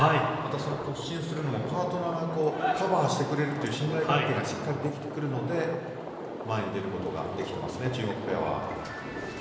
突進するのもパートナーがカバーしてくれるっていう信頼関係ができているので前に出ることができていますね、中国ペアは。